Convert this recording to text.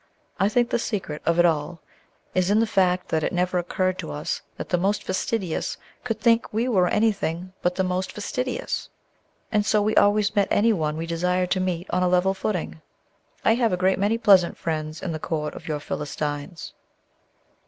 I think the secret of it all is in the fact that it never occurred to us that the most fastidious could think we were anything but the most fastidious; and so we always met any one we desired to meet on a level footing. I have a great many pleasant friends in the court of your Philistines."